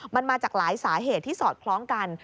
มันมาจากหลายสาเหตุที่สอดคล้องกัน